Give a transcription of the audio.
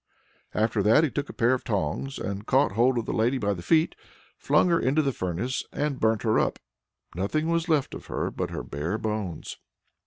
After that he took a pair of tongs, caught hold of the lady by the feet, flung her into the furnace, and burnt her up; nothing was left of her but her bare bones.